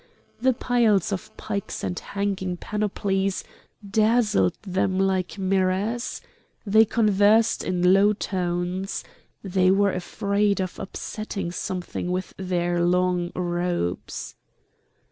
The piles of pikes and hanging panoplies dazzled them like mirrors. They conversed in low tones. They were afraid of upsetting something with their long robes.